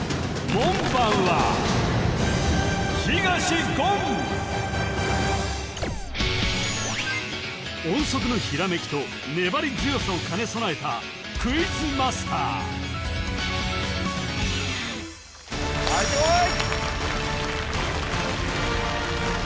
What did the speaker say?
門番は音速のひらめきとねばり強さを兼ね備えたクイズマスター・さあいってこい！